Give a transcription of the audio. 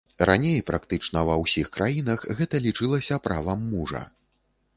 Раней практычна ва ўсіх краінах гэта лічылася правам мужа.